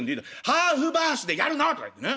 「ハーフバースデーやるの！」とか言ってね。